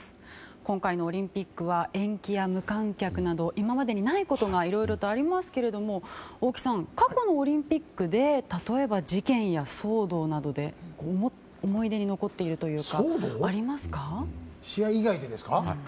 今回のオリンピックは延期や無観客など今までにないことがいろいろとありますけど大木さん、過去のオリンピックで例えば事件や騒動などで思い出に残っていることは試合以外でですか。